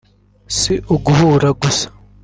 si uguhura gusa”